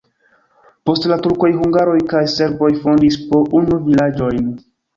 Post la turkoj hungaroj kaj serboj fondis po unu vilaĝojn.